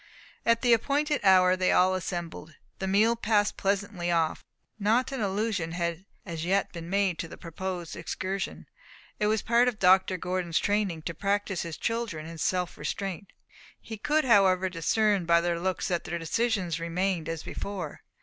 At the appointed hour they all assembled. The meal passed pleasantly off; not an allusion had as yet been made to the proposed excursion. It was a part of Dr. Gordon's training to practise his children in self restraint. He could however discern by their looks that their decisions remained as before.